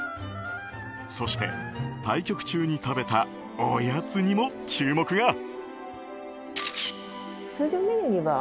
そして、対局中に食べたおやつにも注目が。